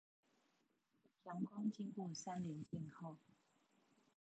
陽光經過三稜鏡後